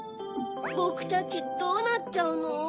ぼくたちどうなっちゃうの？